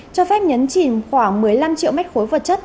cho phép nhấn chìm khoảng một mươi năm triệu mét khối vật chất